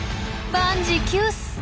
万事休す。